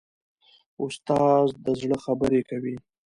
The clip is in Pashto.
استاد د زړه خبرې کوي.